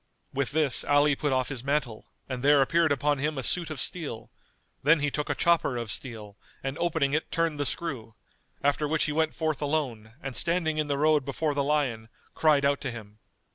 With this Ali put off his mantle and there appeared upon him a suit of steel; then he took a chopper of steel[FN#220] and opening it turned the screw; after which he went forth alone and standing in the road before the lion, cried out to him.